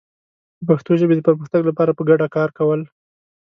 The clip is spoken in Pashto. د پښتو ژبې د پرمختګ لپاره په ګډه کار کول